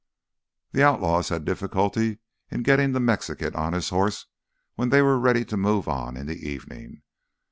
The outlaws had difficulty in getting the Mexican on his horse when they were ready to move on in the evening.